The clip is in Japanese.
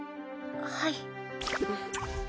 はい。